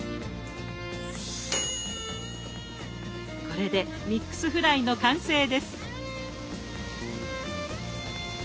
これでミックスフライの完成です。